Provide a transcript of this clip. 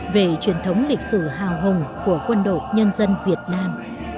về truyền thống lịch sử hào hùng của quân đội nhân dân việt nam